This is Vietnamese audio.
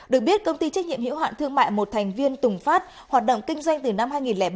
được biết công ty trách nhiệm hiệu hạn thương mại một thành viên tùng pháp hoạt động kinh doanh từ năm hai nghìn bảy